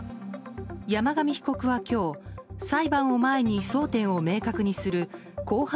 山上被告は今日裁判を前に争点を明確にする公判